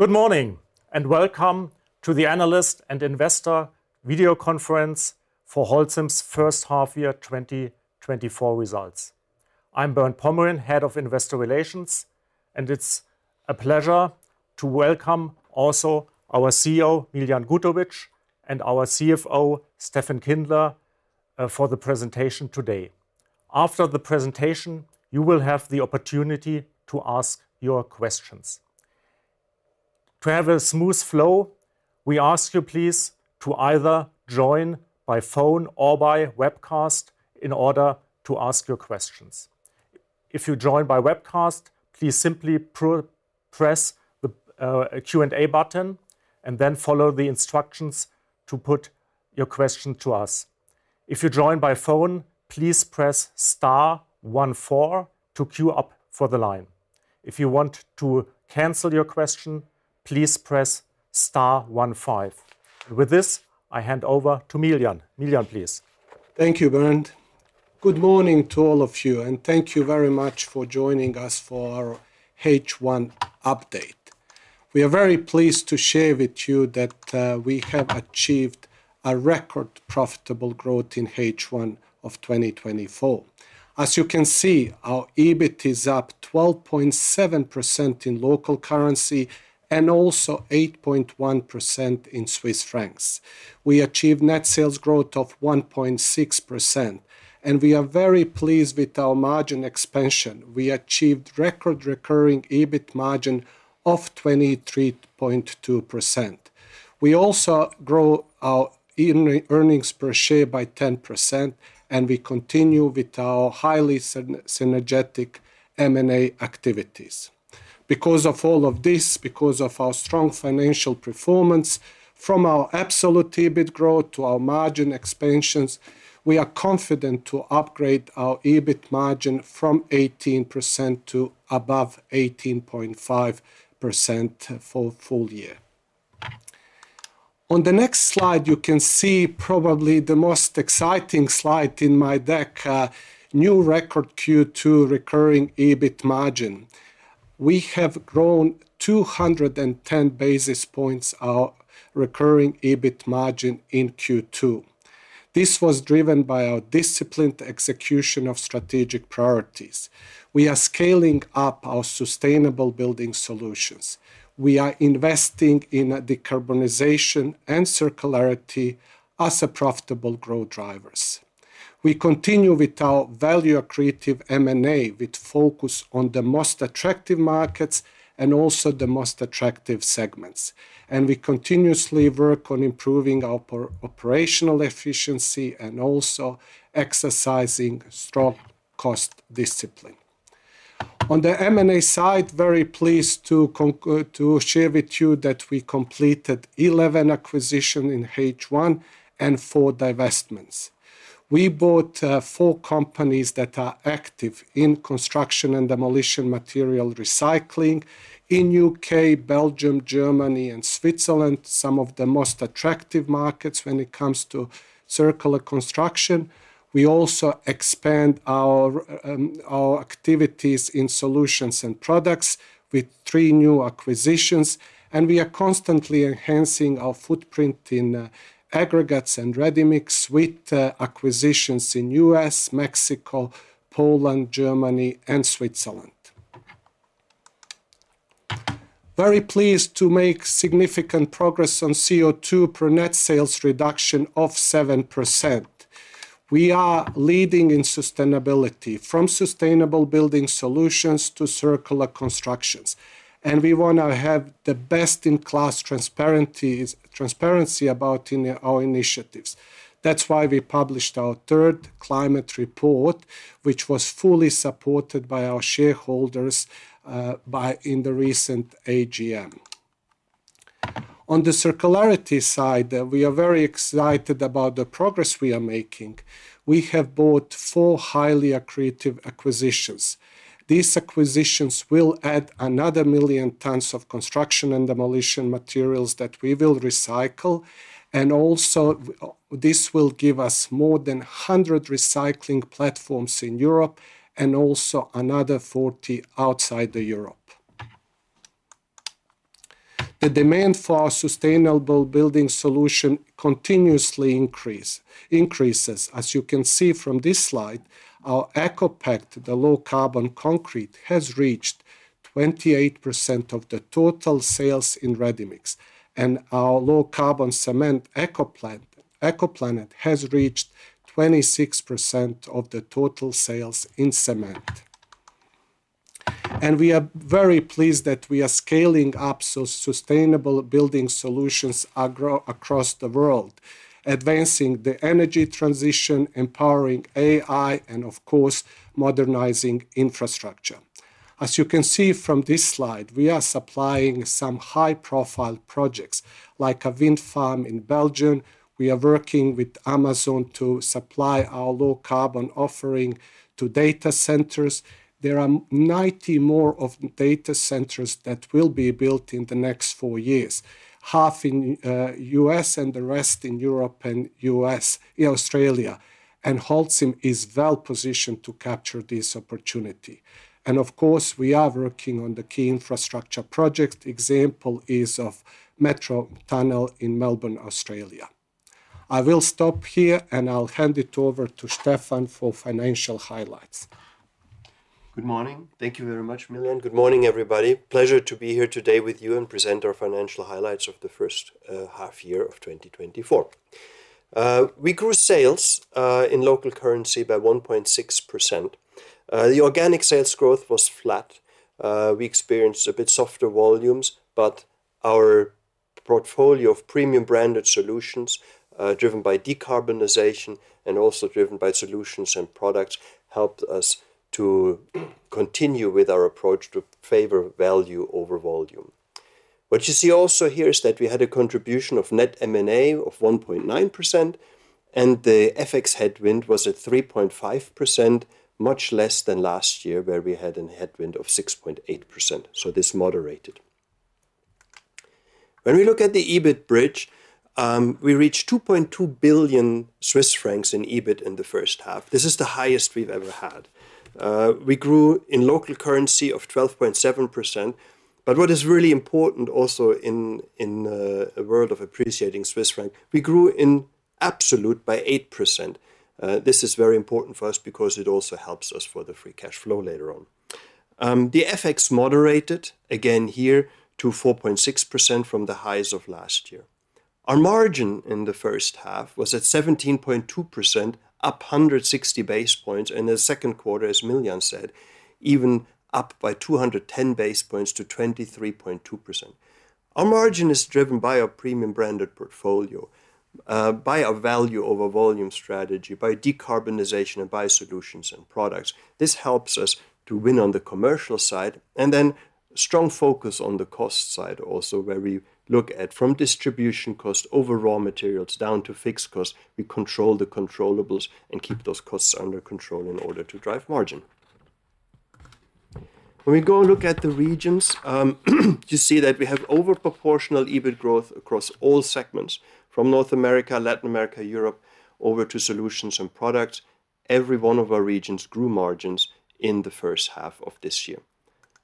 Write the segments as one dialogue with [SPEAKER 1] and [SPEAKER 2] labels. [SPEAKER 1] Good morning, and welcome to the Analyst and Investor Video Conference for Holcim's first half year 2024 results. I'm Bernd Pomrehn, Head of Investor Relations, and it's a pleasure to welcome also our CEO, Miljan Gutovic, and our CFO, Steffen Kindler, for the presentation today. After the presentation, you will have the opportunity to ask your questions. To have a smooth flow, we ask you please, to either join by phone or by webcast in order to ask your questions. If you join by webcast, please simply press the Q&A button and then follow the instructions to put your question to us. If you join by phone, please press star one four to queue up for the line. If you want to cancel your question, please press star one five. With this, I hand over to Miljan. Miljan, please.
[SPEAKER 2] Thank you, Bernd. Good morning to all of you, and thank you very much for joining us for our H1 update. We are very pleased to share with you that we have achieved a record profitable growth in H1 of 2024. As you can see, our EBIT is up 12.7% in local currency and also 8.1% in Swiss francs. We achieved net sales growth of 1.6%, and we are very pleased with our margin expansion. We achieved record recurring EBIT margin of 23.2%. We also grow our earnings per share by 10%, and we continue with our highly synergetic M&A activities. Because of all of this, because of our strong financial performance, from our absolute EBIT growth to our margin expansions, we are confident to upgrade our EBIT margin from 18% to above 18.5% for full year. On the next slide, you can see probably the most exciting slide in my deck, new record Q2 recurring EBIT margin. We have grown 210 basis points our recurring EBIT margin in Q2. This was driven by our disciplined execution of strategic priorities. We are scaling up our sustainable building solutions. We are investing in decarbonization and circularity as a profitable growth drivers. We continue with our value accretive M&A, with focus on the most attractive markets and also the most attractive segments. We continuously work on improving our operational efficiency and also exercising strong cost discipline. On the M&A side, very pleased to share with you that we completed 11 acquisitions in H1 and four divestments. We bought four companies that are active in construction and demolition material recycling in U.K., Belgium, Germany, and Switzerland, some of the most attractive markets when it comes to circular construction. We also expand our activities in solutions and products with three new acquisitions, and we are constantly enhancing our footprint in aggregates and ready-mix with acquisitions in U.S., Mexico, Poland, Germany, and Switzerland. Very pleased to make significant progress on CO2 per net sales reduction of 7%. We are leading in sustainability, from sustainable building solutions to circular constructions, and we want to have the best-in-class transparency about in our initiatives. That's why we published our third climate report, which was fully supported by our shareholders in the recent AGM. On the circularity side, we are very excited about the progress we are making. We have bought four highly accretive acquisitions. These acquisitions will add another million tons of construction and demolition materials that we will recycle, and also, this will give us more than 100 recycling platforms in Europe and also another 40 outside Europe. The demand for our sustainable building solution continuously increase, increases. As you can see from this slide, our ECOPact, the low-carbon concrete, has reached 28% of the total sales in ready mix, and our low-carbon cement, ECOPlanet, ECOPlanet, has reached 26% of the total sales in cement. We are very pleased that we are scaling up so sustainable building solutions are growing across the world, advancing the energy transition, empowering AI, and of course, modernizing infrastructure. As you can see from this slide, we are supplying some high-profile projects, like a wind farm in Belgium. We are working with Amazon to supply our low-carbon offering to data centers. There are 90 more data centers that will be built in the next four years, half in U.S. and the rest in Europe, U.S., and Australia, and Holcim is well positioned to capture this opportunity. And of course, we are working on the key infrastructure project. Example is of metro tunnel in Melbourne, Australia. I will stop here, and I'll hand it over to Steffen for financial highlights.
[SPEAKER 3] Good morning. Thank you very much, Miljan. Good morning, everybody. Pleasure to be here today with you and present our financial highlights of the first half year of 2024. We grew sales in local currency by 1.6%. The organic sales growth was flat. We experienced a bit softer volumes, but our portfolio of premium branded solutions, driven by decarbonization and also driven by solutions and products, helped us to continue with our approach to favor value over volume. What you see also here is that we had a contribution of net M&A of 1.9%, and the FX headwind was at 3.5%, much less than last year, where we had a headwind of 6.8%, so this moderated. When we look at the EBIT bridge, we reached 2.2 billion Swiss francs in EBIT in the first half. This is the highest we've ever had. We grew in local currency of 12.7%, but what is really important also in a world of appreciating Swiss franc, we grew in absolute by 8%. This is very important for us because it also helps us for the free cash flow later on. The FX moderated again here to 4.6% from the highs of last year. Our margin in the first half was at 17.2%, up 160 basis points in the second quarter, as Miljan said, even up by 210 basis points to 23.2%. Our margin is driven by our premium branded portfolio, by our value over volume strategy, by decarbonization, and by solutions and products. This helps us to win on the commercial side and then strong focus on the cost side also, where we look at from distribution cost over raw materials down to fixed costs. We control the controllables and keep those costs under control in order to drive margin. When we go and look at the regions, you see that we have over proportional EBIT growth across all segments, from North America, Latin America, Europe, over to solutions and products. Every one of our regions grew margins in the first half of this year.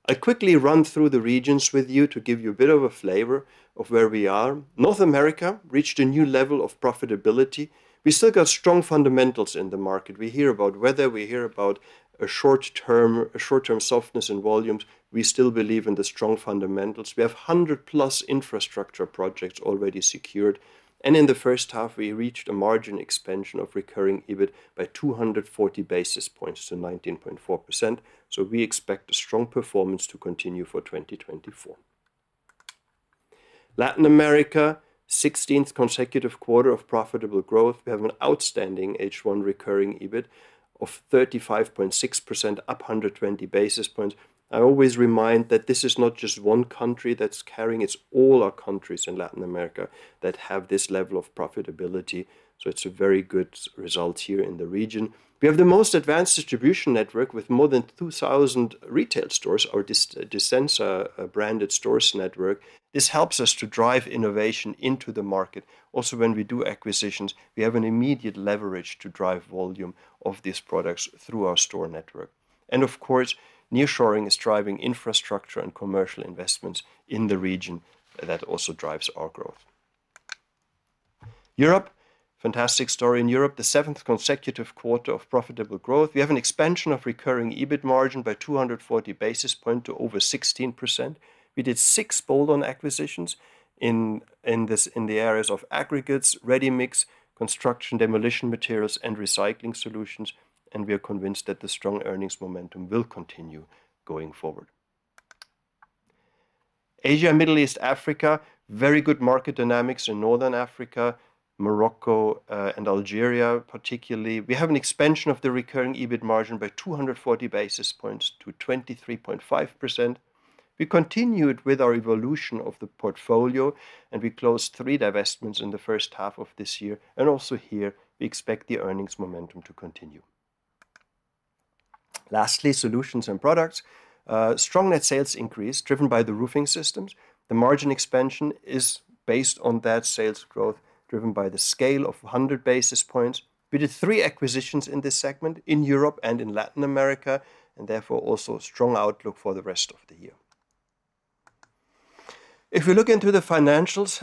[SPEAKER 3] I quickly run through the regions with you to give you a bit of a flavor of where we are. North America reached a new level of profitability. We still got strong fundamentals in the market. We hear about weather. We hear about a short-term, a short-term softness in volumes. We still believe in the strong fundamentals. We have 100+ infrastructure projects already secured, and in the first half, we reached a margin expansion of recurring EBIT by 240 basis points to 19.4%, so we expect a strong performance to continue for 2024. Latin America, 16th consecutive quarter of profitable growth. We have an outstanding H1 recurring EBIT of 35.6%, up 120 basis points. I always remind that this is not just one country that's carrying, it's all our countries in Latin America that have this level of profitability, so it's a very good result here in the region. We have the most advanced distribution network with more than 2,000 retail stores or Disensa branded stores network. This helps us to drive innovation into the market. Also, when we do acquisitions, we have an immediate leverage to drive volume of these products through our store network. And of course, nearshoring is driving infrastructure and commercial investments in the region. That also drives our growth. Europe, fantastic story in Europe, the seventh consecutive quarter of profitable growth. We have an expansion of recurring EBIT margin by 240 basis points to over 16%. We did six bolt-on acquisitions in the areas of aggregates, ready-mix, construction, demolition materials, and recycling solutions, and we are convinced that the strong earnings momentum will continue going forward. Asia and Middle East, Africa, very good market dynamics in Northern Africa, Morocco, and Algeria particularly. We have an expansion of the recurring EBIT margin by 240 basis points to 23.5%. We continued with our evolution of the portfolio, and we closed three divestments in the first half of this year, and also here, we expect the earnings momentum to continue. Lastly, solutions and products. Strong net sales increase, driven by the roofing systems. The margin expansion is based on that sales growth, driven by the scale of 100 basis points. We did three acquisitions in this segment in Europe and in Latin America, and therefore, also a strong outlook for the rest of the year. If we look into the financials,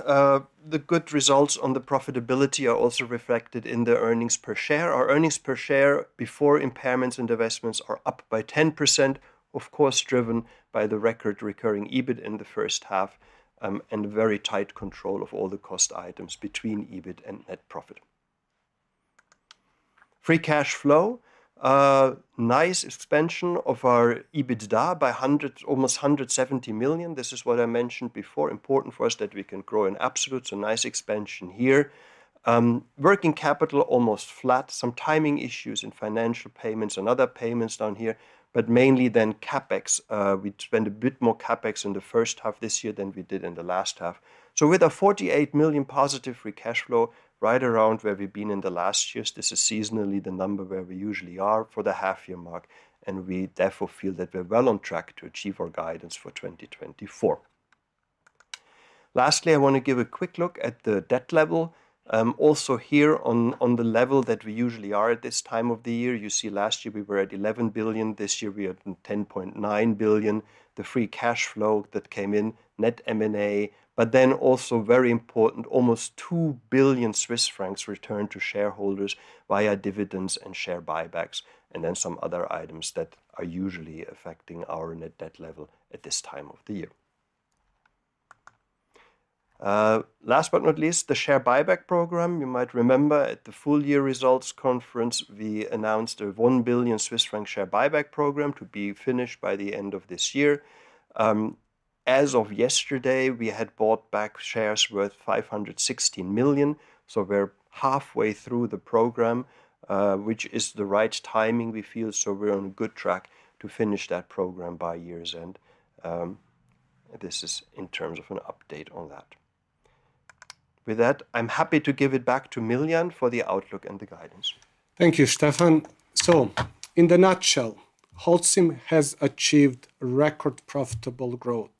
[SPEAKER 3] the good results on the profitability are also reflected in the earnings per share. Our earnings per share before impairments and divestments are up by 10%, of course, driven by the record recurring EBIT in the first half, and very tight control of all the cost items between EBIT and net profit. Free cash flow, nice expansion of our EBITDA by almost 170 million. This is what I mentioned before, important for us that we can grow in absolute, so nice expansion here. Working capital, almost flat. Some timing issues in financial payments and other payments down here, but mainly then CapEx. We spent a bit more CapEx in the first half this year than we did in the last half. With a 48 million positive free cash flow, right around where we've been in the last years, this is seasonally the number where we usually are for the half year mark, and we therefore feel that we're well on track to achieve our guidance for 2024.... lastly, I want to give a quick look at the debt level. Also here on the level that we usually are at this time of the year. You see, last year we were at 11 billion, this year we are at 10.9 billion. The free cash flow that came in, net M&A, but then also very important, almost 2 billion Swiss francs returned to shareholders via dividends and share buybacks, and then some other items that are usually affecting our net debt level at this time of the year. Last but not least, the share buyback program. You might remember at the full year results conference, we announced a 1 billion Swiss franc share buyback program to be finished by the end of this year. As of yesterday, we had bought back shares worth 516 million, so we're halfway through the program, which is the right timing, we feel. So we're on good track to finish that program by year's end. This is in terms of an update on that. With that, I'm happy to give it back to Miljan for the outlook and the guidance.
[SPEAKER 2] Thank you, Steffen. So in a nutshell, Holcim has achieved record profitable growth,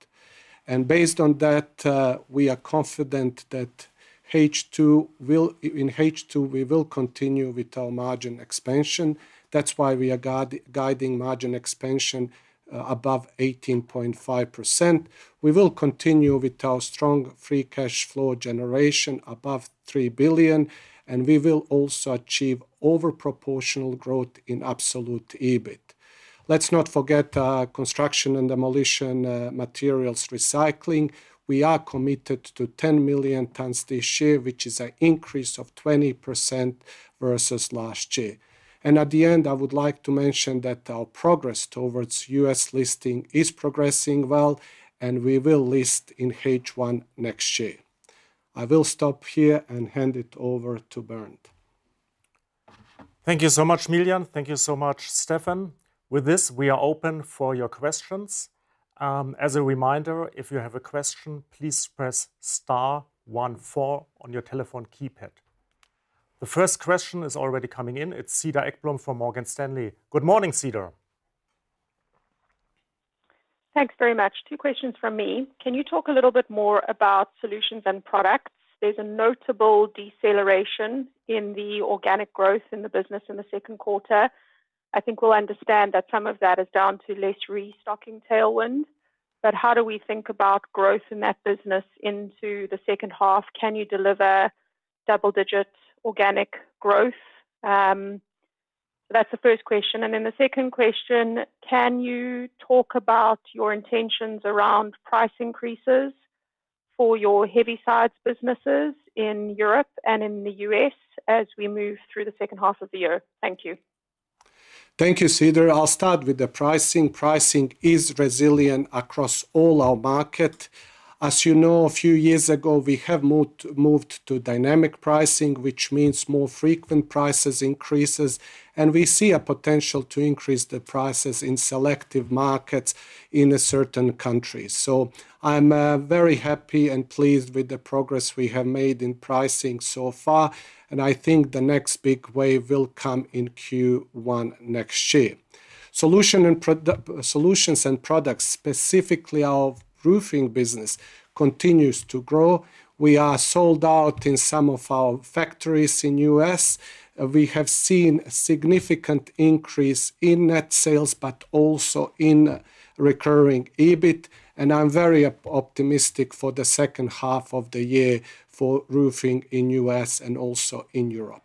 [SPEAKER 2] and based on that, we are confident that in H2, we will continue with our margin expansion. That's why we are guiding margin expansion above 18.5%. We will continue with our strong free cash flow generation above 3 billion, and we will also achieve over proportional growth in absolute EBIT. Let's not forget, construction and demolition materials recycling. We are committed to 10 million tonnes this year, which is an increase of 20% versus last year. And at the end, I would like to mention that our progress towards U.S. listing is progressing well, and we will list in H1 next year. I will stop here and hand it over to Bernd.
[SPEAKER 1] Thank you so much, Miljan. Thank you so much, Steffen. With this, we are open for your questions. As a reminder, if you have a question, please press star one four on your telephone keypad. The first question is already coming in. It's Cedar Ekblom from Morgan Stanley. Good morning, Cedar.
[SPEAKER 4] Thanks very much. Two questions from me. Can you talk a little bit more about solutions and products? There's a notable deceleration in the organic growth in the business in the second quarter. I think we'll understand that some of that is down to less restocking tailwind, but how do we think about growth in that business into the second half? Can you deliver double-digit organic growth? So that's the first question. And then the second question, can you talk about your intentions around price increases for your heavy sides businesses in Europe and in the U.S. as we move through the second half of the year? Thank you.
[SPEAKER 2] Thank you, Cedar. I'll start with the pricing. Pricing is resilient across all our market. As you know, a few years ago, we have moved to dynamic pricing, which means more frequent prices increases, and we see a potential to increase the prices in selective markets in a certain country. So I'm very happy and pleased with the progress we have made in pricing so far, and I think the next big wave will come in Q1 next year. Solutions and products, specifically our roofing business, continues to grow. We are sold out in some of our factories in U.S. We have seen a significant increase in net sales, but also in recurring EBIT, and I'm very optimistic for the second half of the year for roofing in U.S. and also in Europe.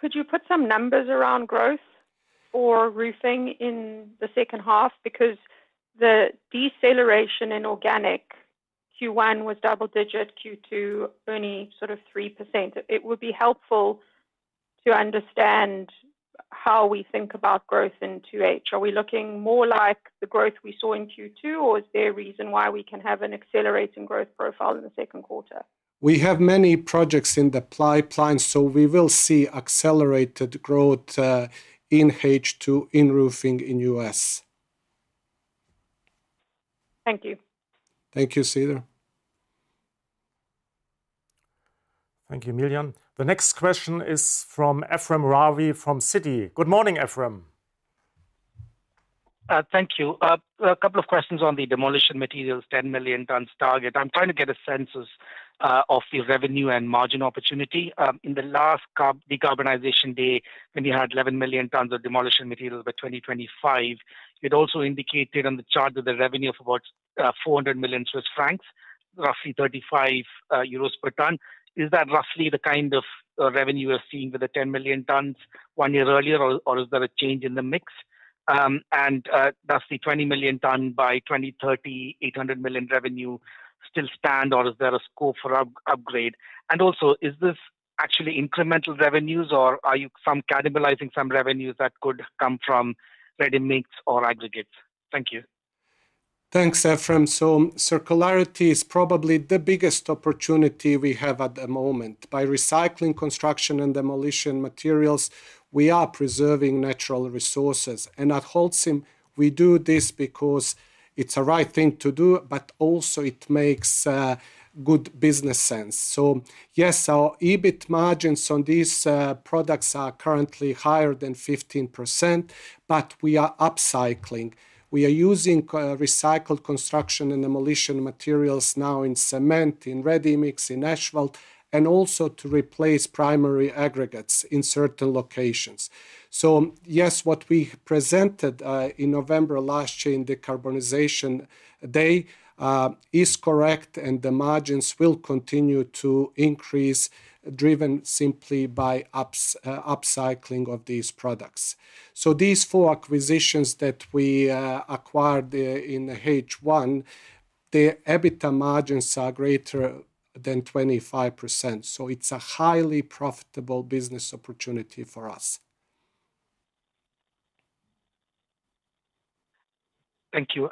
[SPEAKER 4] Could you put some numbers around growth for roofing in the second half? Because the deceleration in organic, Q1 was double-digit, Q2 only sort of 3%. It would be helpful to understand how we think about growth in 2H. Are we looking more like the growth we saw in Q2, or is there a reason why we can have an accelerating growth profile in the second quarter?
[SPEAKER 2] We have many projects in the pipeline, so we will see accelerated growth in H2, in roofing in U.S.
[SPEAKER 4] Thank you.
[SPEAKER 2] Thank you, Cedar.
[SPEAKER 1] Thank you, Miljan. The next question is from Ephrem Ravi, from Citi. Good morning, Ephrem.
[SPEAKER 5] Thank you. A couple of questions on the demolition materials, 10 million tonnes target. I'm trying to get a sense of the revenue and margin opportunity. In the last decarbonization day, when you had 11 million tonnes of demolition materials by 2025, it also indicated on the chart of the revenue of about 400 million Swiss francs, roughly 35 euros per tonne. Is that roughly the kind of revenue you're seeing with the 10 million tonnes one year earlier, or is there a change in the mix? And does the 20 million tonne by 2030, 800 million revenue still stand, or is there a scope for upgrade? And also, is this actually incremental revenues, or are you somewhat cannibalizing some revenues that could come from ready-mix or aggregates? Thank you. .Thanks, Ephrem. So circularity is probably the biggest opportunity we have at the moment. By recycling construction and demolition materials, we are preserving natural resources. And at Holcim, we do this because it's the right thing to do, but also it makes good business sense. So yes, our EBIT margins on these products are currently higher than 15%, but we are upcycling. We are using recycled construction and demolition materials now in cement, in ready-mix, in asphalt, and also to replace primary aggregates in certain locations. So yes, what we presented in November last year in Decarbonization Day is correct, and the margins will continue to increase, driven simply by upcycling of these products.
[SPEAKER 2] So these four acquisitions that we acquired in H1, the EBITDA margins are greater than 25%, so it's a highly profitable business opportunity for us.
[SPEAKER 6] Thank you.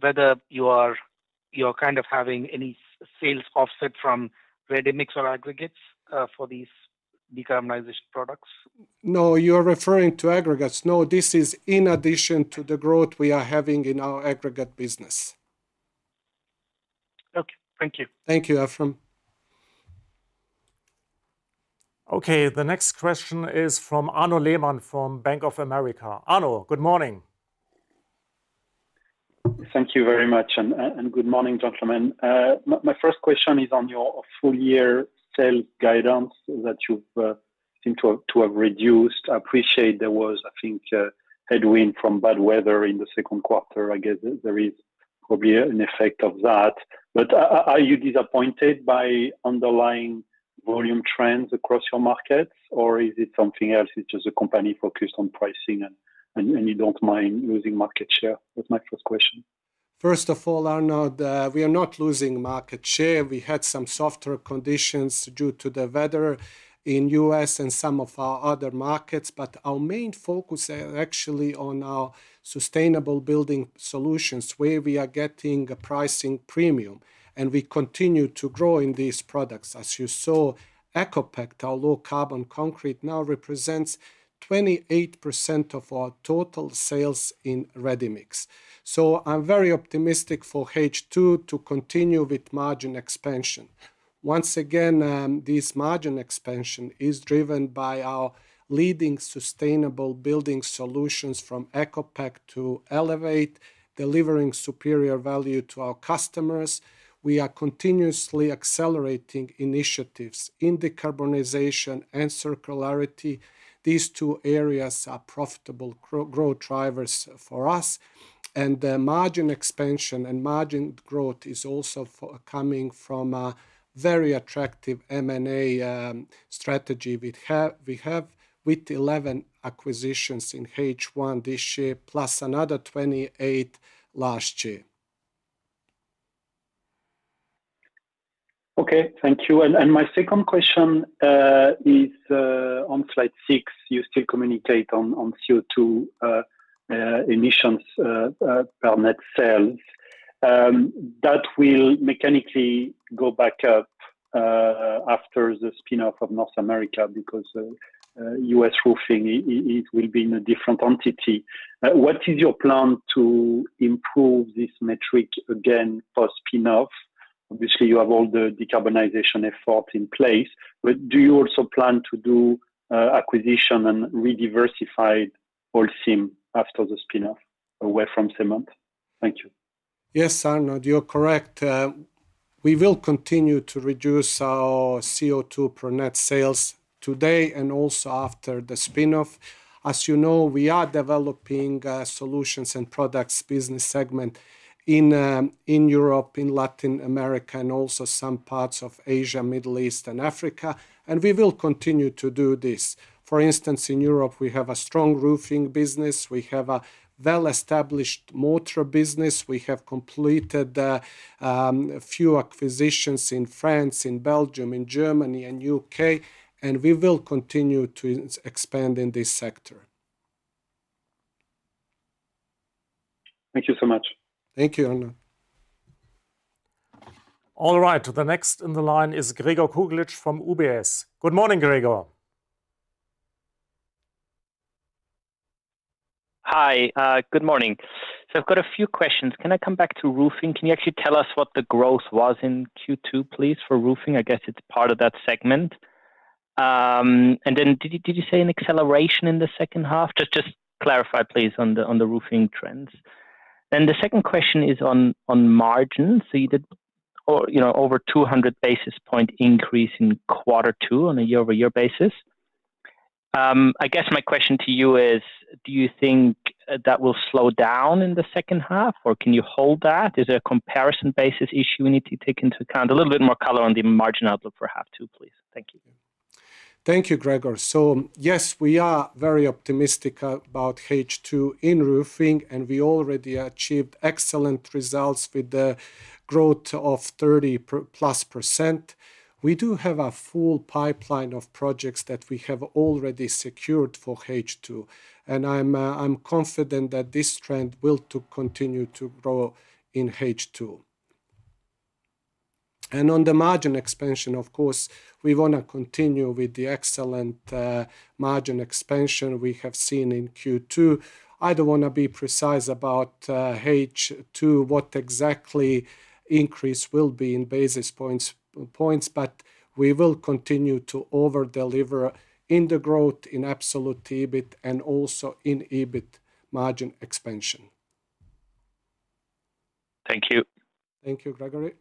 [SPEAKER 6] Whether you're kind of having any sales offset from ready-mix or aggregates, for these decarbonization products?
[SPEAKER 2] No. You're referring to aggregates? No, this is in addition to the growth we are having in our aggregate business.
[SPEAKER 6] Okay, thank you.
[SPEAKER 2] Thank you, Ephrem.
[SPEAKER 1] Okay, the next question is from Arnaud Lehmann from Bank of America. Arnaud, good morning!
[SPEAKER 7] Thank you very much, and good morning, gentlemen. My first question is on your full-year sales guidance that you've seem to have reduced. I appreciate there was, I think, a headwind from bad weather in the second quarter. I guess there is probably an effect of that. But are you disappointed by underlying volume trends across your markets, or is it something else? It's just the company focused on pricing and you don't mind losing market share? That's my first question.
[SPEAKER 2] First of all, Arnaud, we are not losing market share. We had some softer conditions due to the weather in U.S. and some of our other markets, but our main focus are actually on our sustainable building solutions, where we are getting a pricing premium, and we continue to grow in these products. As you saw, ECOPact, our low-carbon concrete, now represents 28% of our total sales in ready-mix. So I'm very optimistic for H2 to continue with margin expansion. Once again, this margin expansion is driven by our leading sustainable building solutions, from ECOPact to Elevate, delivering superior value to our customers. We are continuously accelerating initiatives in decarbonization and circularity. These two areas are profitable growth drivers for us, and the margin expansion and margin growth is also coming from a very attractive M&A strategy we have with 11 acquisitions in H1 this year, plus another 28 last year.
[SPEAKER 7] Okay, thank you. My second question is on slide six. You still communicate on CO2 emissions per net sales. That will mechanically go back up after the spin-off of North America because U.S. Roofing, it will be in a different entity. What is your plan to improve this metric again for spin-off? Obviously, you have all the decarbonization effort in place, but do you also plan to do acquisition and rediversify Holcim after the spin-off, away from cement? Thank you.
[SPEAKER 2] Yes, Arnaud, you're correct. We will continue to reduce our CO2 per net sales today and also after the spin-off. As you know, we are developing solutions and products business segment in Europe, in Latin America, and also some parts of Asia, Middle East, and Africa, and we will continue to do this. For instance, in Europe, we have a strong roofing business, we have a well-established mortar business, we have completed a few acquisitions in France, in Belgium, in Germany, and U.K., and we will continue to expand in this sector.
[SPEAKER 7] Thank you so much.
[SPEAKER 2] Thank you, Arnaud.
[SPEAKER 1] All right. The next in the line is Gregor Kuglitsch from UBS. Good morning, Gregor.
[SPEAKER 8] Hi. Good morning. So I've got a few questions. Can I come back to roofing? Can you actually tell us what the growth was in Q2, please, for roofing? I guess it's part of that segment. And then, did you, did you say an acceleration in the second half? Just, just clarify, please, on the, on the roofing trends. Then the second question is on, on margins. So you did, or, you know, over 200 basis point increase in quarter two on a year-over-year basis. I guess my question to you is: Do you think, that will slow down in the second half, or can you hold that? Is there a comparison basis issue we need to take into account? A little bit more color on the margin outlook for half two, please. Thank you.
[SPEAKER 2] Thank you, Gregor. So yes, we are very optimistic about H2 in roofing, and we already achieved excellent results with the growth of 30%+. We do have a full pipeline of projects that we have already secured for H2, and I'm confident that this trend will continue to grow in H2. And on the margin expansion, of course, we want to continue with the excellent margin expansion we have seen in Q2. I don't want to be precise about H2, what exactly increase will be in basis points, but we will continue to over-deliver in the growth, in absolute EBIT, and also in EBIT margin expansion.
[SPEAKER 3] Thank you.
[SPEAKER 2] Thank you, Gregor.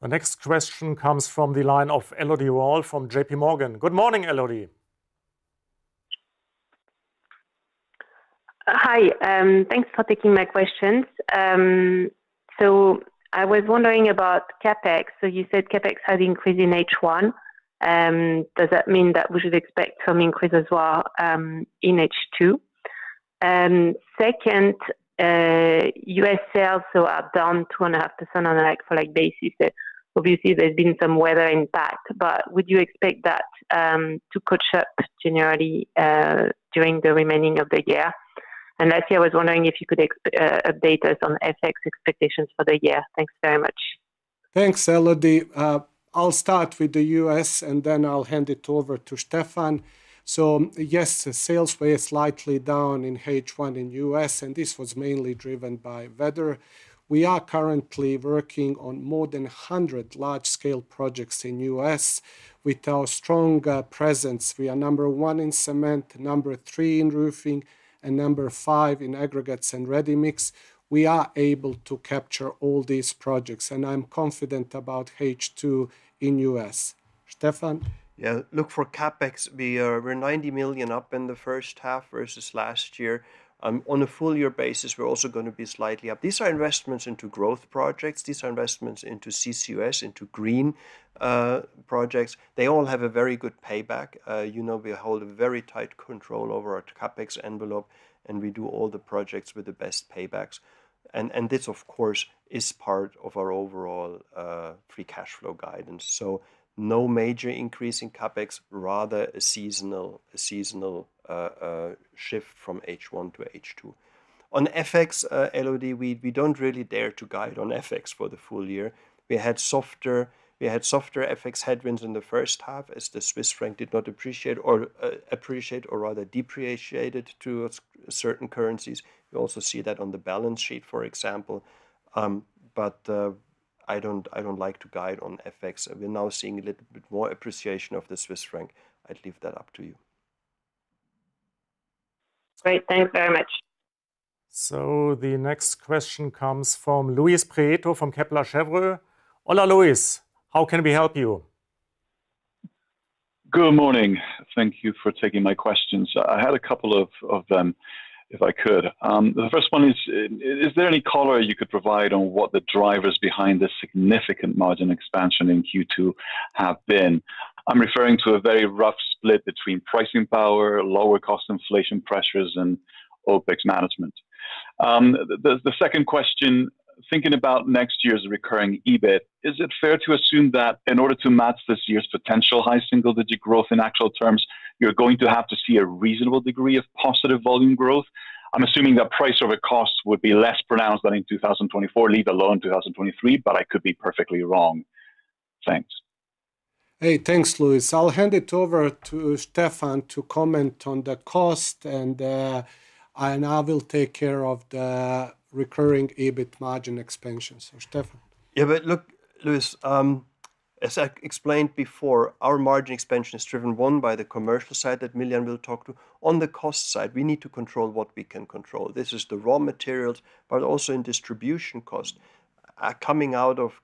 [SPEAKER 1] The next question comes from the line of Elodie Rall from JPMorgan. Good morning, Elodie!
[SPEAKER 9] Hi, thanks for taking my questions. I was wondering about CapEx. You said CapEx has increased in H1. Does that mean that we should expect some increase as well in H2? Second, U.S. sales are down 2.5% on a like-for-like basis. Obviously, there's been some weather impact, but would you expect that to catch up generally during the remaining of the year? Lastly, I was wondering if you could update us on FX expectations for the year. Thanks very much.
[SPEAKER 2] Thanks, Elodie. I'll start with the U.S., and then I'll hand it over to Steffen. So yes, sales were slightly down in H1 in U.S., and this was mainly driven by weather. We are currently working on more than 100 large-scale projects in U.S. With our strong presence, we are number one in cement, number three in roofing, and number five in aggregates and ready mix. We are able to capture all these projects, and I'm confident about H2 in U.S. Steffen?
[SPEAKER 3] Yeah. Look, for CapEx, we are, we're 90 million up in the first half versus last year. On a full year basis, we're also going to be slightly up. These are investments into growth projects. These are investments into CCUS, into green projects. They all have a very good payback. You know, we hold a very tight control over our CapEx envelope, and we do all the projects with the best paybacks. And this, of course, is part of our overall free cash flow guidance. So no major increase in CapEx, rather a seasonal, a seasonal shift from H1 to H2. On FX, Elodie, we don't really dare to guide on FX for the full year. We had softer, we had softer FX headwinds in the first half, as the Swiss franc did not appreciate or appreciate or rather depreciated to a certain currencies. We also see that on the balance sheet, for example. But I don't, I don't like to guide on FX. We're now seeing a little bit more appreciation of the Swiss franc. I'd leave that up to you.
[SPEAKER 9] Great. Thank you very much.
[SPEAKER 1] The next question comes from Luis Prieto from Kepler Cheuvreux. Hola, Luis, how can we help you?
[SPEAKER 10] Good morning. Thank you for taking my questions. I had a couple of them, if I could. The first one is: is there any color you could provide on what the drivers behind the significant margin expansion in Q2 have been? I'm referring to a very rough split between pricing power, lower cost inflation pressures, and OpEx management. The second question: thinking about next year's recurring EBIT, is it fair to assume that in order to match this year's potential high single-digit growth in actual terms, you're going to have to see a reasonable degree of positive volume growth? I'm assuming that price over cost would be less pronounced than in 2024, leave alone 2023, but I could be perfectly wrong. Thanks.
[SPEAKER 2] Hey, thanks, Luis. I'll hand it over to Steffen to comment on the cost, and I now will take care of the recurring EBIT margin expansion. So Steffen.
[SPEAKER 3] Yeah, but look, Luis, as I explained before, our margin expansion is driven, one, by the commercial side that Miljan will talk to. On the cost side, we need to control what we can control. This is the raw materials, but also in distribution cost. Coming out of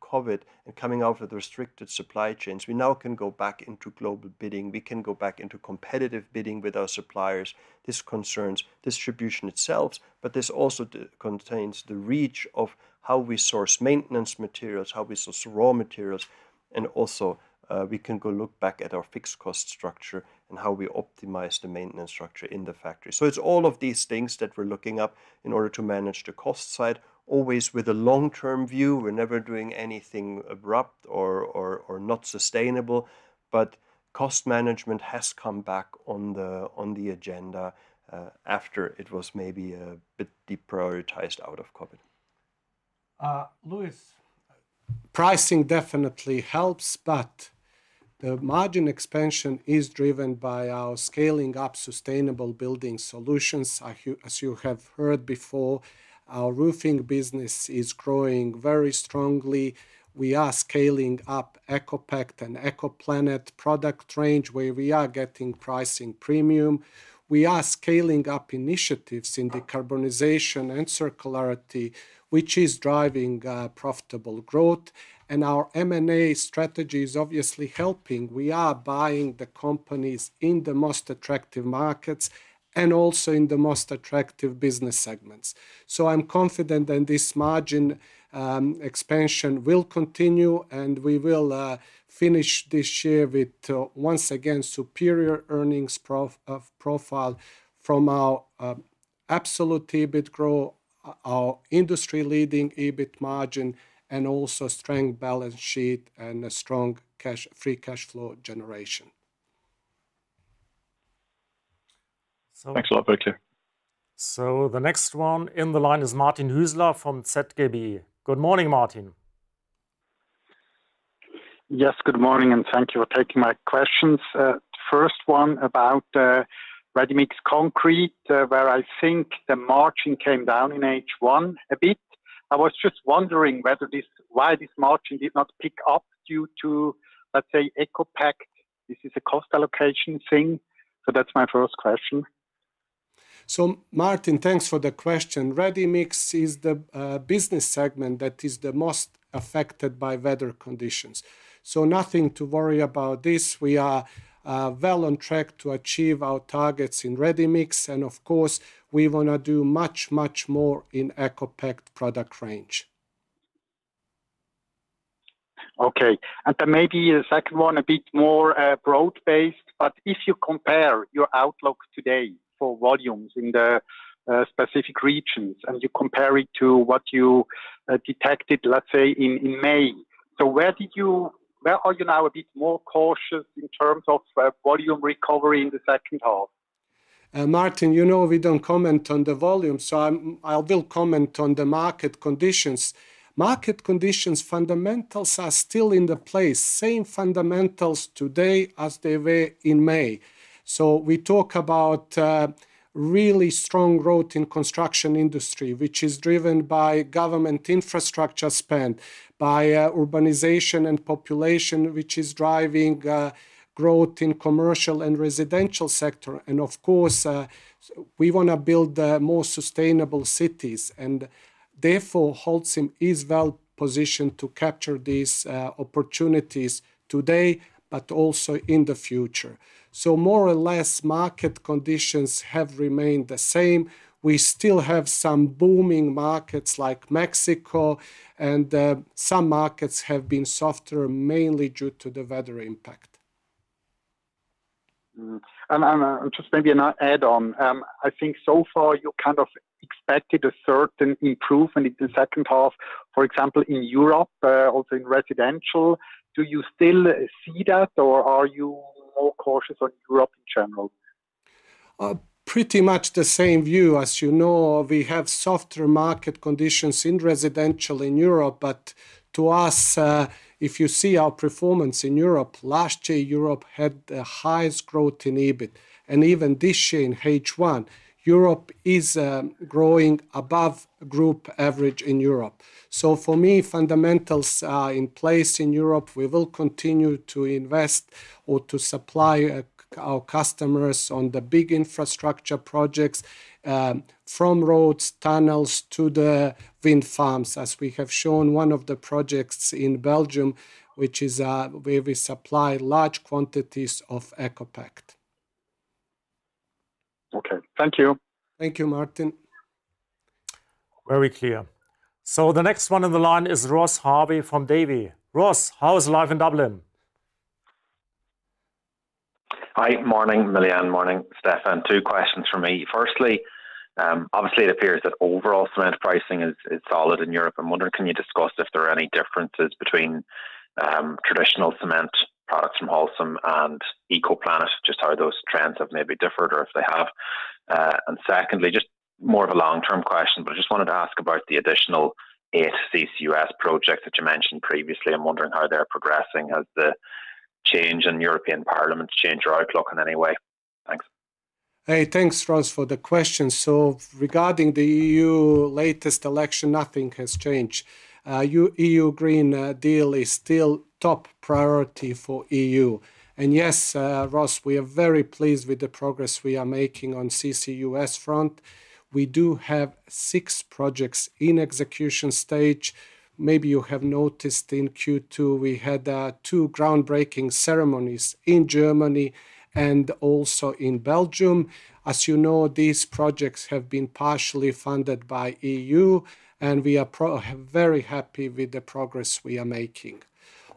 [SPEAKER 3] COVID and coming out of the restricted supply chains, we now can go back into global bidding. We can go back into competitive bidding with our suppliers. This concerns distribution itself, but this also contains the reach of how we source maintenance materials, how we source raw materials, and also, we can go look back at our fixed cost structure and how we optimize the maintenance structure in the factory. So it's all of these things that we're looking up in order to manage the cost side, always with a long-term view. We're never doing anything abrupt or not sustainable, but cost management has come back on the agenda after it was maybe a bit deprioritized out of COVID.
[SPEAKER 2] Luis, pricing definitely helps, but the margin expansion is driven by our scaling up sustainable building solutions. As you have heard before, our roofing business is growing very strongly. We are scaling up ECOPact and ECOPlanet product range, where we are getting pricing premium. We are scaling up initiatives in decarbonization and circularity, which is driving profitable growth, and our M&A strategy is obviously helping. We are buying the companies in the most attractive markets and also in the most attractive business segments. So I'm confident that this margin expansion will continue, and we will finish this year with once again, superior earnings profile from our absolute EBIT growth, our industry-leading EBIT margin, and also strong balance sheet and a strong cash-free cash flow generation.
[SPEAKER 10] Thanks a lot. Thank you.
[SPEAKER 1] The next one in the line is Martin Hüsler from ZKB. Good morning, Martin.
[SPEAKER 11] Yes, good morning, and thank you for taking my questions. First one about, ready-mix concrete, where I think the margin came down in H1 a bit. I was just wondering whether this, why this margin did not pick up due to, let's say, ECOPact? This is a cost allocation thing, so that's my first question.
[SPEAKER 2] So Martin, thanks for the question. Ready-mix is the business segment that is the most affected by weather conditions, so nothing to worry about this. We are well on track to achieve our targets in ready-mix, and of course, we wanna do much, much more in ECOPact product range.
[SPEAKER 11] Okay, and then maybe the second one, a bit more broad-based, but if you compare your outlook today for volumes in the specific regions, and you compare it to what you detected, let's say, in May, so where did you... Where are you now a bit more cautious in terms of volume recovery in the second half?
[SPEAKER 2] Martin, you know, we don't comment on the volume, so I'm, I will comment on the market conditions. Market conditions, fundamentals are still in the place, same fundamentals today as they were in May. So we talk about, really strong growth in construction industry, which is driven by government infrastructure spend, by, urbanization and population, which is driving, growth in commercial and residential sector. And of course, we wanna build, more sustainable cities, and therefore, Holcim is well positioned to capture these, opportunities today, but also in the future. So more or less, market conditions have remained the same. We still have some booming markets like Mexico, and, some markets have been softer, mainly due to the weather impact.
[SPEAKER 11] And just maybe an add-on. I think so far you kind of expected a certain improvement in the second half, for example, in Europe, also in residential. Do you still see that, or are you more cautious on Europe in general?
[SPEAKER 2] Pretty much the same view. As you know, we have softer market conditions in residential in Europe, but to us, if you see our performance in Europe, last year, Europe had the highest growth in EBIT. Even this year, in H1, Europe is growing above group average in Europe. So for me, fundamentals are in place in Europe. We will continue to invest or to supply our customers on the big infrastructure projects, from roads, tunnels, to the wind farms, as we have shown one of the projects in Belgium, which is where we supply large quantities of ECOPact.
[SPEAKER 11] Okay. Thank you.
[SPEAKER 2] Thank you, Martin.
[SPEAKER 1] Very clear. So the next one on the line is Ross Harvey from Davy. Ross, how is life in Dublin?
[SPEAKER 12] Hi. Morning, Miljan. Morning, Steffen. Two questions from me. Firstly, obviously it appears that overall cement pricing is, is solid in Europe. I'm wondering, can you discuss if there are any differences between, traditional cement products from Holcim and EcoPlanet? Just how those trends have maybe differed or if they have. And secondly, just more of a long-term question, but I just wanted to ask about the additional eight CCUS projects that you mentioned previously. I'm wondering how they're progressing. Has the change in European Parliament changed your outlook in any way? Thanks.
[SPEAKER 2] Hey, thanks, Ross, for the questions. So regarding the E.U. latest election, nothing has changed. E.U. Green Deal is still top priority for E.U. And yes, Ross, we are very pleased with the progress we are making on CCUS front. We do have six projects in execution stage. Maybe you have noticed in Q2, we had two groundbreaking ceremonies in Germany and also in Belgium. As you know, these projects have been partially funded by E.U., and we are very happy with the progress we are making.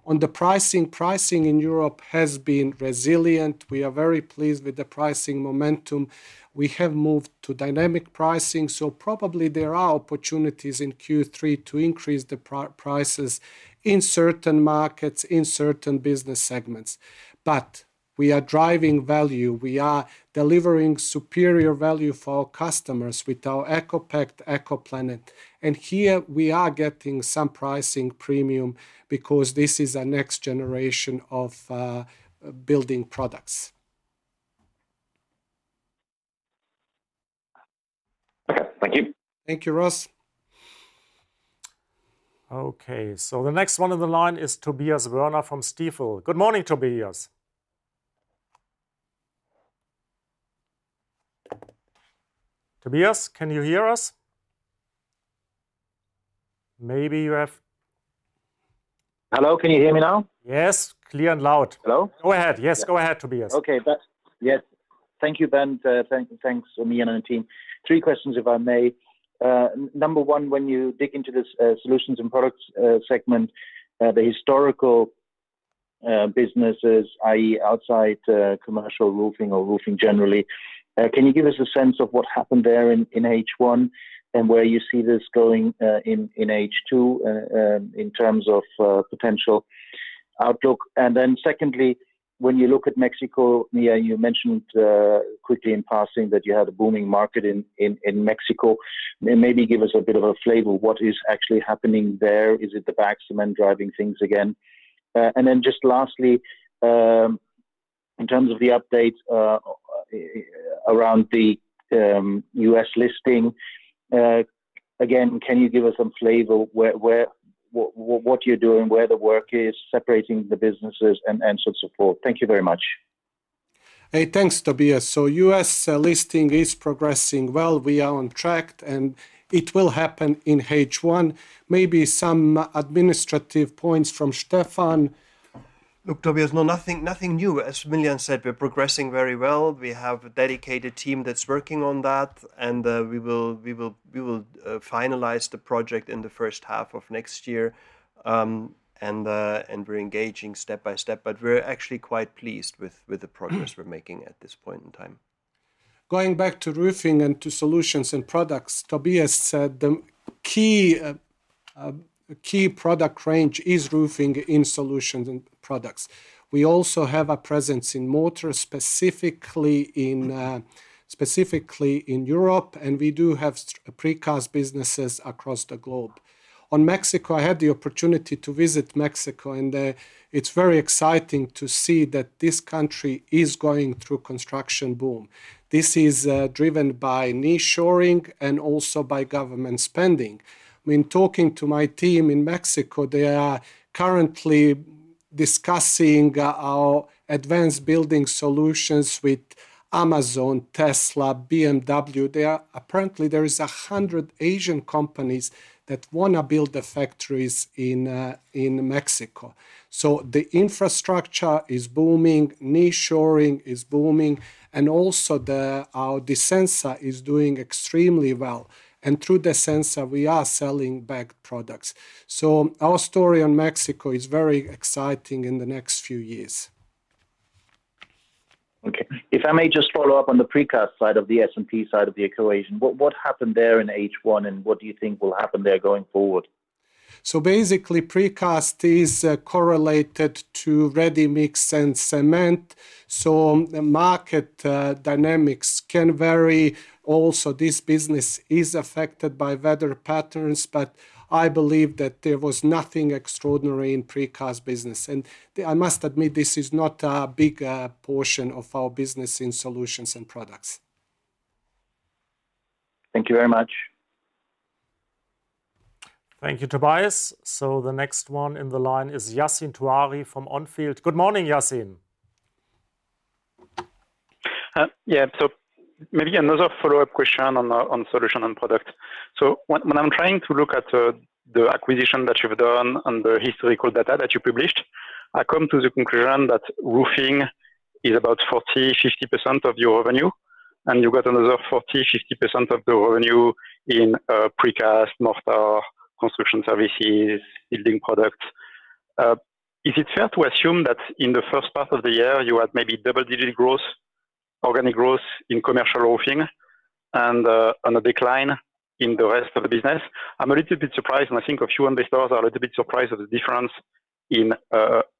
[SPEAKER 2] On the pricing, pricing in Europe has been resilient. We are very pleased with the pricing momentum. We have moved to dynamic pricing, so probably there are opportunities in Q3 to increase the prices in certain markets, in certain business segments. But we are driving value. We are delivering superior value for our customers with our ECOPact, ECOPlanet, and here we are getting some pricing premium because this is a next generation of building products.
[SPEAKER 12] Okay. Thank you.
[SPEAKER 2] Thank you, Ross.
[SPEAKER 1] Okay, so the next one on the line is Tobias Woerner from Stifel. Good morning, Tobias. Tobias, can you hear us? Maybe you have-
[SPEAKER 13] Hello, can you hear me now?
[SPEAKER 1] Yes, clear and loud.
[SPEAKER 13] Hello?
[SPEAKER 1] Go ahead. Yes, go ahead, Tobias.
[SPEAKER 13] Okay, that. Yes. Thank you, then, thanks, Miljan, and team. Three questions, if I may. Number one, when you dig into this solutions and products segment, the historical businesses, i.e., outside commercial roofing or roofing generally, can you give us a sense of what happened there in H1 and where you see this going in H2 in terms of potential outlook. And then secondly, when you look at Mexico, Miljan, you mentioned quickly in passing that you had a booming market in Mexico. Maybe give us a bit of a flavor, what is actually happening there? Is it the bag cement driving things again? And then just lastly, in terms of the updates, around the U.S. listing, again, can you give us some flavor where what you're doing, where the work is, separating the businesses and so forth? Thank you very much.
[SPEAKER 2] Hey, thanks, Tobias. So U.S. listing is progressing well. We are on track, and it will happen in H1. Maybe some administrative points from Steffen.
[SPEAKER 3] Look, Tobias, no, nothing, nothing new. As Miljan said, we're progressing very well. We have a dedicated team that's working on that, and we will, we will, we will, finalize the project in the first half of next year. And we're engaging step by step, but we're actually quite pleased with, with the progress we're making at this point in time.
[SPEAKER 2] Going back to roofing and to Solutions and Products, Tobias said the key product range is roofing in Solutions and Products. We also have a presence in mortar, specifically in Europe, and we do have precast businesses across the globe. On Mexico, I had the opportunity to visit Mexico, and it's very exciting to see that this country is going through construction boom. This is driven by nearshoring and also by government spending. When talking to my team in Mexico, they are currently discussing our advanced building solutions with Amazon, Tesla, BMW. There are apparently 100 Asian companies that wanna build the factories in Mexico. So the infrastructure is booming, nearshoring is booming, and also our Disensa is doing extremely well, and through the Disensa, we are selling back products. Our story on Mexico is very exciting in the next few years.
[SPEAKER 13] Okay. If I may just follow up on the precast side of the S&P side of the equation, what, what happened there in H1, and what do you think will happen there going forward?
[SPEAKER 2] So basically, precast is correlated to ready mix and cement, so the market dynamics can vary. Also, this business is affected by weather patterns, but I believe that there was nothing extraordinary in precast business. And the... I must admit, this is not a big portion of our business in Solutions and Products.
[SPEAKER 13] Thank you very much.
[SPEAKER 1] Thank you, Tobias. So the next one in the line is Yassine Touahri from On Field. Good morning, Yassine.
[SPEAKER 14] Yeah, so maybe another follow-up question on the, on Solution and Product. So when, when I'm trying to look at, the acquisition that you've done and the historical data that you published, I come to the conclusion that roofing is about 40%-50% of your revenue, and you got another 40%-50% of the revenue in, precast, mortar, construction services, building products. Is it fair to assume that in the first part of the year, you had maybe double-digit growth, organic growth in commercial roofing and, and a decline in the rest of the business? I'm a little bit surprised, and I think a few investors are a little bit surprised at the difference in,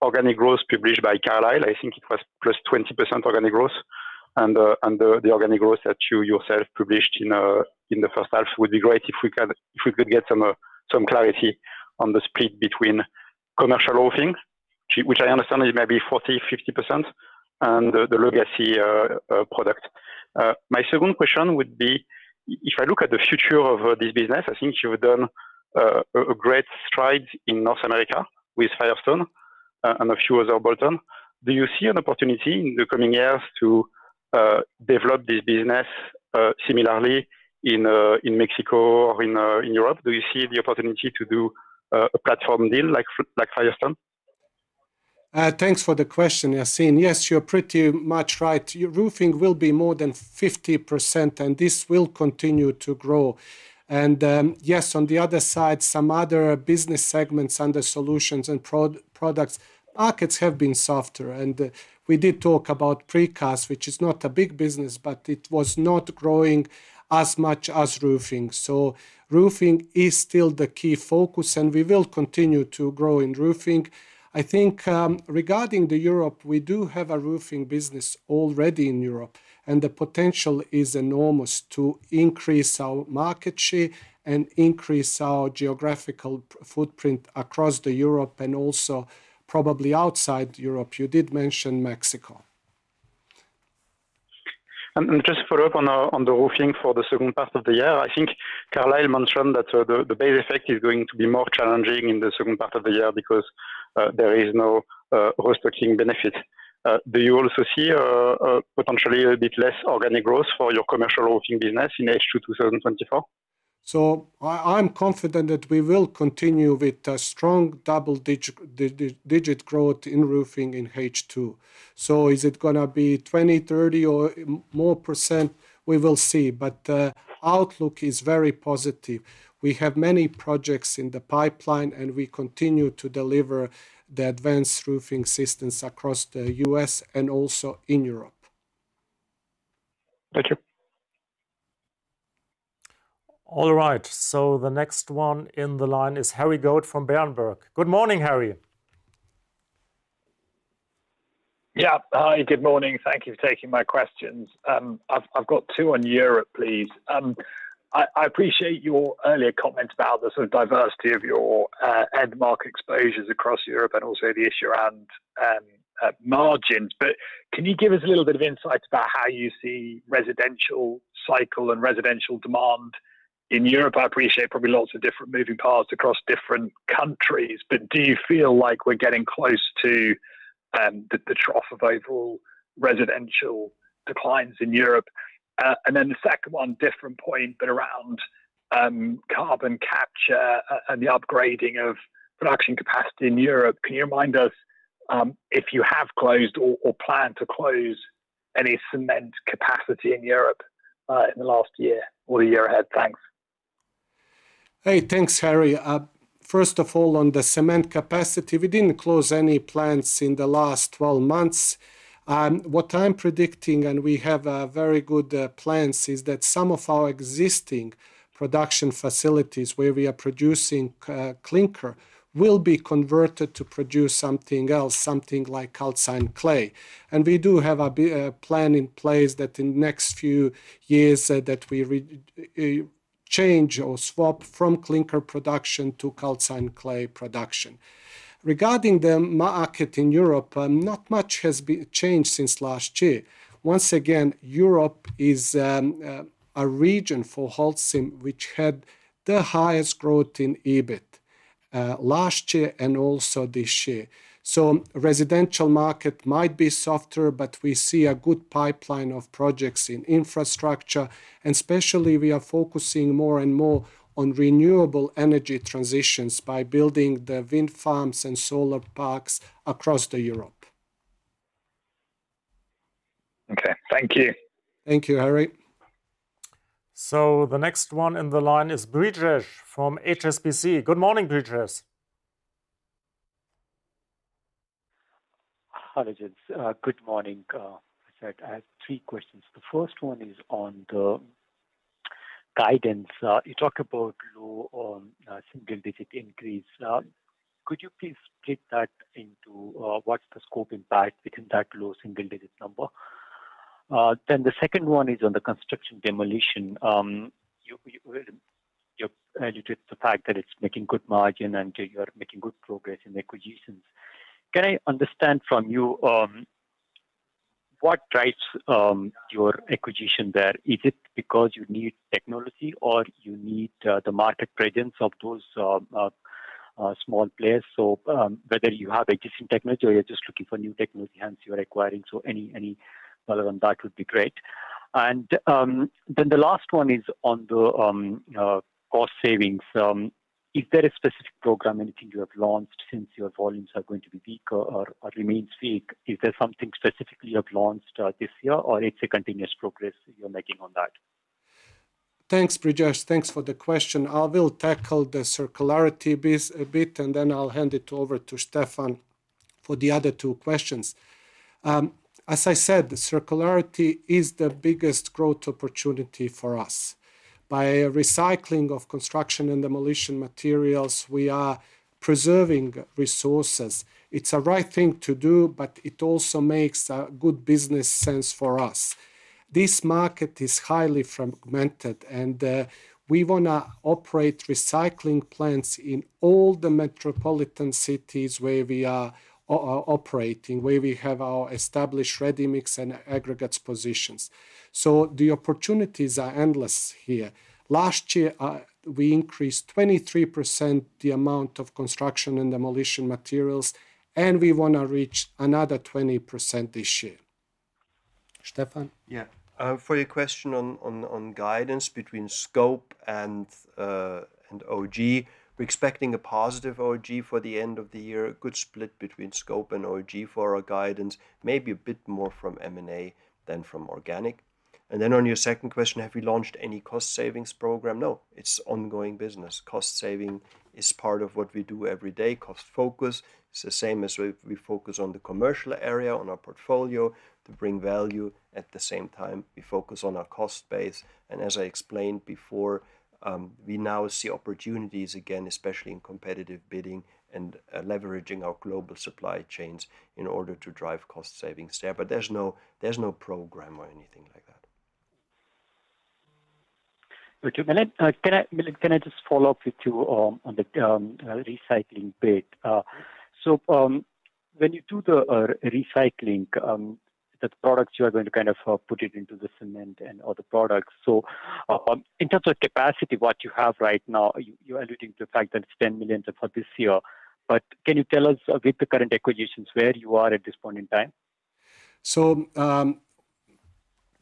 [SPEAKER 14] organic growth published by Carlisle. I think it was +20% organic growth, and the organic growth that you yourself published in the first half. It would be great if we could get some clarity on the split between commercial roofing, which I understand is maybe 40%-50%, and the legacy product. My second question would be, if I look at the future of this business, I think you've done a great stride in North America with Firestone and a few other bolt-ons. Do you see an opportunity in the coming years to develop this business similarly in Mexico or in Europe? Do you see the opportunity to do a platform deal like Firestone?
[SPEAKER 2] Thanks for the question, Yassine. Yes, you're pretty much right. Roofing will be more than 50%, and this will continue to grow. And yes, on the other side, some other business segments under Solutions and Products, markets have been softer, and we did talk about precast, which is not a big business, but it was not growing as much as roofing. So roofing is still the key focus, and we will continue to grow in roofing. I think, regarding the Europe, we do have a roofing business already in Europe, and the potential is enormous to increase our market share and increase our geographical footprint across the Europe and also probably outside Europe. You did mention Mexico.
[SPEAKER 14] Just to follow up on the roofing for the second part of the year, I think Carlisle mentioned that the base effect is going to be more challenging in the second part of the year because there is no reroofing benefit. Do you also see potentially a bit less organic growth for your commercial roofing business in H2 2024?
[SPEAKER 2] I'm confident that we will continue with a strong double-digit growth in roofing in H2. So is it gonna be 20%, 30%, or more? We will see. But the outlook is very positive. We have many projects in the pipeline, and we continue to deliver the advanced roofing systems across the U.S. and also in Europe.
[SPEAKER 14] Thank you.
[SPEAKER 1] All right, so the next one in the line is Harry Goad from Berenberg. Good morning, Harry.
[SPEAKER 15] Yeah. Hi, good morning. Thank you for taking my questions. I've got two on Europe, please. I appreciate your earlier comments about the sort of diversity of your end market exposures across Europe and also the issue around margins, but can you give us a little bit of insight about how you see residential cycle and residential demand in Europe? I appreciate probably lots of different moving parts across different countries, but do you feel like we're getting close to the trough of overall residential declines in Europe? And then the second one, different point, but around carbon capture and the upgrading of production capacity in Europe, can you remind us if you have closed or plan to close any cement capacity in Europe in the last year or the year ahead? Thanks.
[SPEAKER 2] Hey, thanks, Harry. First of all, on the cement capacity, we didn't close any plants in the last 12 months. What I'm predicting, and we have very good plans, is that some of our existing production facilities where we are producing clinker will be converted to produce something else, something like calcined clay. And we do have a plan in place that in the next few years that we change or swap from clinker production to calcined clay production. Regarding the market in Europe, not much has changed since last year. Once again, Europe is a region for Holcim, which had the highest growth in EBIT last year and also this year. So residential market might be softer, but we see a good pipeline of projects in infrastructure, and especially, we are focusing more and more on renewable energy transitions by building the wind farms and solar parks across the Europe.
[SPEAKER 15] Okay. Thank you.
[SPEAKER 2] Thank you, Harry.
[SPEAKER 1] The next one in the line is Brijesh from HSBC. Good morning, Brijesh.
[SPEAKER 16] Hi, [how do you do]. Good morning, uhm. I have three questions. The first one is on the guidance. You talked about low single-digit increase. Could you please split that into what's the scope impact within that low single-digit number? Then the second one is on the construction demolition. You alluded to the fact that it's making good margin and you are making good progress in acquisitions. Can I understand from you what drives your acquisition there? Is it because you need technology or you need the market presence of those small players? So whether you have existing technology or you're just looking for new technology, hence you are acquiring. So any color on that would be great. And then the last one is on the cost savings. Is there a specific program, anything you have launched since your volumes are going to be weak or remains weak? Is there something specifically you have launched this year, or it's a continuous progress you're making on that?
[SPEAKER 2] Thanks, Brijesh. Thanks for the question. I will tackle the circularity a bit, and then I'll hand it over to Steffen for the other two questions. As I said, the circularity is the biggest growth opportunity for us. By recycling of construction and demolition materials, we are preserving resources. It's a right thing to do, but it also makes good business sense for us. This market is highly fragmented, and we wanna operate recycling plants in all the metropolitan cities where we are operating, where we have our established ready mix and aggregates positions. So the opportunities are endless here. Last year, we increased 23% the amount of construction and demolition materials, and we wanna reach another 20% this year. Steffen?
[SPEAKER 3] Yeah. For your question on guidance between scope and OG, we're expecting a positive OG for the end of the year, a good split between scope and OG for our guidance, maybe a bit more from M&A than from organic. Then on your second question, have we launched any cost savings program? No, it's ongoing business. Cost saving is part of what we do every day. Cost focus is the same as we focus on the commercial area, on our portfolio to bring value. At the same time, we focus on our cost base, and as I explained before, we now see opportunities again, especially in competitive bidding and leveraging our global supply chains in order to drive cost savings there. But there's no program or anything like that.
[SPEAKER 16] Okay. Can I just follow up with you on the recycling bit? So, when you do the recycling, the products, you are going to kind of put it into the cement and other products. So, in terms of capacity, what you have right now, you're alluding to the fact that it's 10 million tons for this year, but can you tell us with the current acquisitions, where you are at this point in time?
[SPEAKER 2] So,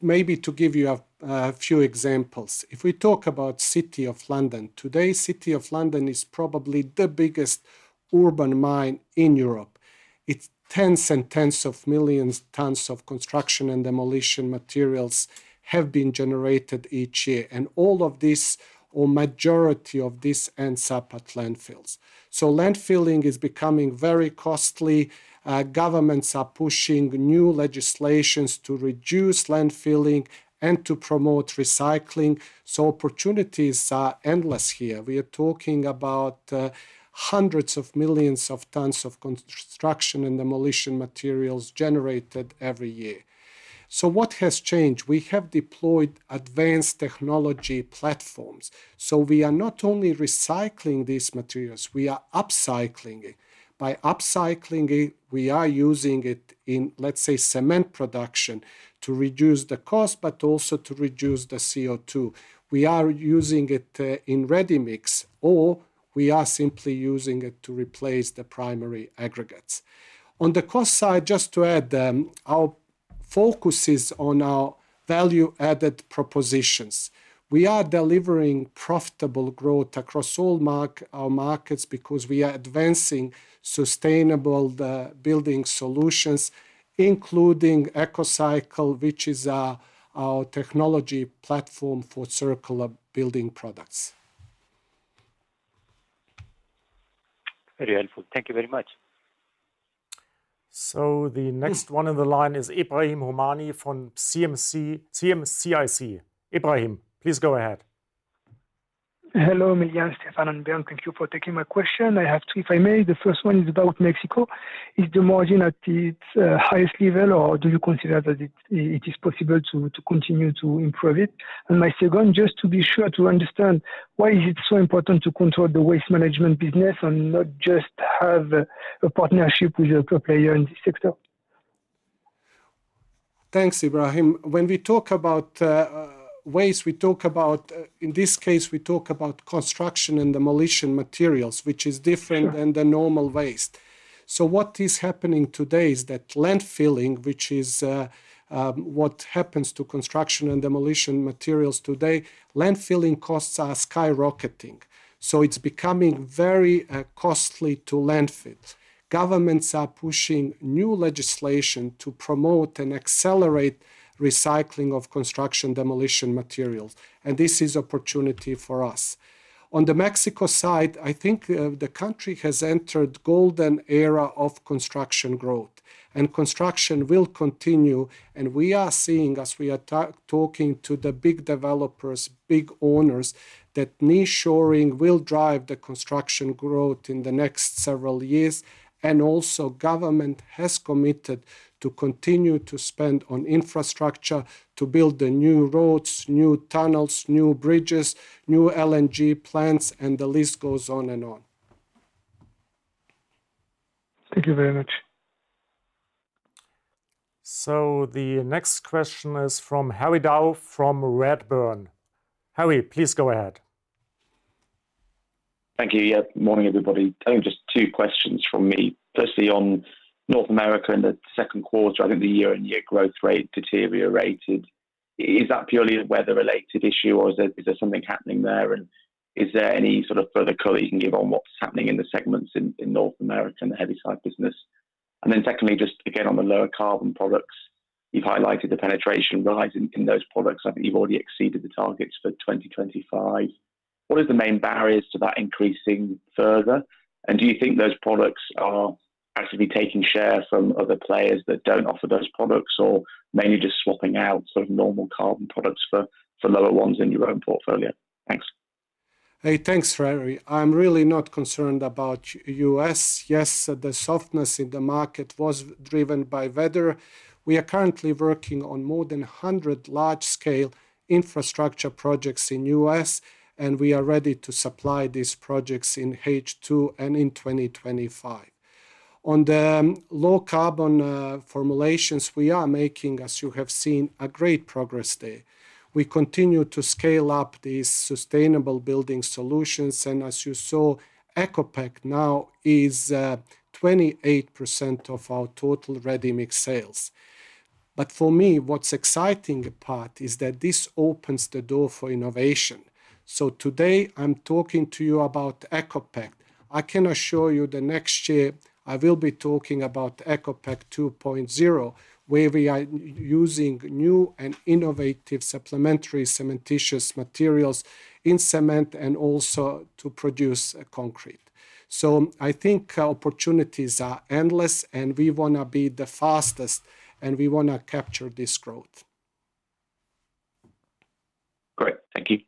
[SPEAKER 2] maybe to give you a few examples. If we talk about City of London, today, City of London is probably the biggest urban mine in Europe. It's tens and tens of millions of tons of construction and demolition materials have been generated each year, and all of this or majority of this ends up at landfills. So landfilling is becoming very costly. Governments are pushing new legislations to reduce landfilling and to promote recycling, so opportunities are endless here. We are talking about hundreds of millions of tons of construction and demolition materials generated every year. So what has changed? We have deployed advanced technology platforms, so we are not only recycling these materials, we are upcycling it. By upcycling it, we are using it in, let's say, cement production, to reduce the cost, but also to reduce the CO2. We are using it in ready-mix, or we are simply using it to replace the primary aggregates. On the cost side, just to add, our focus is on our value-added propositions. We are delivering profitable growth across all our markets because we are advancing sustainable building solutions, including ECOCycle, which is our technology platform for circular building products.
[SPEAKER 16] Very helpful. Thank you very much.
[SPEAKER 1] So the next one on the line is Ebrahim Homani from CM-CIC. Ebrahim, please go ahead.
[SPEAKER 17] Hello, Miljan, Steffen, and Bernd. Thank you for taking my question. I have two, if I may. The first one is about Mexico. Is the margin at its highest level, or do you consider that it is possible to continue to improve it? And my second, just to be sure to understand, why is it so important to control the waste management business and not just have a partnership with your core player in this sector?
[SPEAKER 2] Thanks, Ebrahim. When we talk about waste, we talk about... In this case, we talk about construction and demolition materials, which is different-
[SPEAKER 17] Sure...
[SPEAKER 2] than the normal waste. So what is happening today is that landfilling, which is, what happens to construction and demolition materials today, landfilling costs are skyrocketing, so it's becoming very, costly to landfill. Governments are pushing new legislation to promote and accelerate recycling of construction demolition materials, and this is opportunity for us. On the Mexico side, I think, the country has entered golden era of construction growth, and construction will continue, and we are seeing, as we are talking to the big developers, big owners, that nearshoring will drive the construction growth in the next several years. And also, government has committed to continue to spend on infrastructure, to build the new roads, new tunnels, new bridges, new LNG plants, and the list goes on and on.
[SPEAKER 17] Thank you very much.
[SPEAKER 1] The next question is from Harry Dow from Redburn. Harry, please go ahead.
[SPEAKER 18] Thank you. Yeah, morning, everybody. I think just two questions from me. Firstly, on North America in the second quarter, I think the year-on-year growth rate deteriorated. Is that purely a weather-related issue, or is there something happening there? And is there any sort of further color you can give on what's happening in the segments in North America in the heavy side business? And then secondly, just again, on the lower carbon products, you've highlighted the penetration rise in those products. I think you've already exceeded the targets for 2025. What is the main barriers to that increasing further? And do you think those products are actually taking share from other players that don't offer those products, or mainly just swapping out sort of normal carbon products for lower ones in your own portfolio? Thanks.
[SPEAKER 2] Hey, thanks, Harry. I'm really not concerned about U.S. Yes, the softness in the market was driven by weather. We are currently working on more than 100 large-scale infrastructure projects in U.S., and we are ready to supply these projects in H2 and in 2025. On the low-carbon, formulations, we are making, as you have seen, a great progress there. We continue to scale up these sustainable building solutions, and as you saw, ECOPact now is, 28% of our total ready-mix sales. But for me, what's exciting part is that this opens the door for innovation. So today I'm talking to you about ECOPact. I can assure you the next year, I will be talking about ECOPact 2.0, where we are using new and innovative supplementary cementitious materials in cement and also to produce concrete. I think our opportunities are endless, and we wanna be the fastest, and we wanna capture this growth.
[SPEAKER 18] Great. Thank you.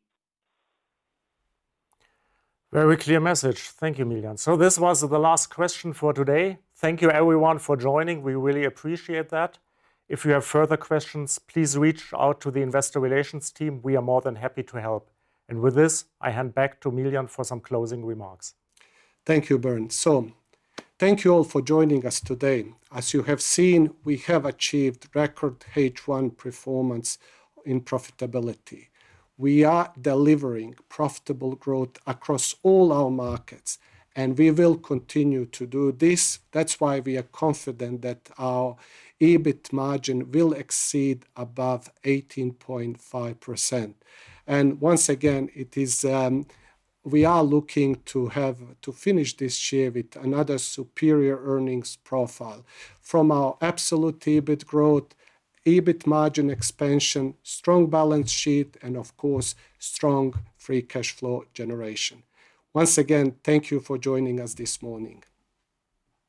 [SPEAKER 1] Very clear message. Thank you, Miljan. This was the last question for today. Thank you everyone for joining. We really appreciate that. If you have further questions, please reach out to the investor relations team. We are more than happy to help. With this, I hand back to Miljan for some closing remarks.
[SPEAKER 2] Thank you, Bernd. Thank you all for joining us today. As you have seen, we have achieved record H1 performance in profitability. We are delivering profitable growth across all our markets, and we will continue to do this. That's why we are confident that our EBIT margin will exceed above 18.5%. And once again, it is... We are looking to have to finish this year with another superior earnings profile from our absolute EBIT growth, EBIT margin expansion, strong balance sheet, and of course, strong free cash flow generation. Once again, thank you for joining us this morning.